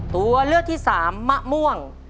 ตัวเลือกที่สามมะม่วง